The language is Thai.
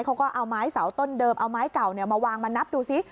เขาก็เอาไม้เสาต้นเดิมเอาไม้เก่ามาวางมานับดูซิ